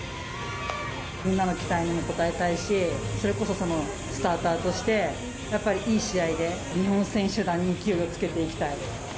みんなの期待に応えたいし、それこそスターターとして、やっぱりいい試合で、日本選手団に勢いをつけていきたい。